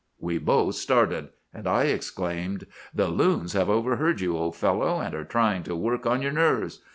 "We both started; and I exclaimed, 'The loons have overheard you, old fellow, and are trying to work on your nerves!